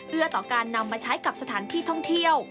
ต่อการนำมาใช้กับสถานที่ท่องเที่ยว